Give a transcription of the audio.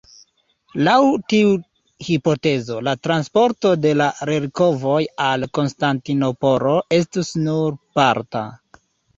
Laŭ tiu hipotezo, la transporto de la relikvoj al Konstantinopolo estus nur parta.